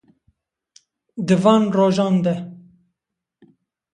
Di van rojan de,